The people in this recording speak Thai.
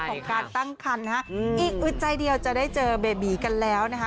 ของการตั้งคันนะฮะอีกอึดใจเดียวจะได้เจอเบบีกันแล้วนะคะ